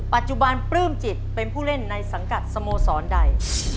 ปัจจุบันปลื้มจิตเป็นผู้เล่นในสังกัดสโมสรใด